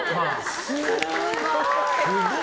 すごーい！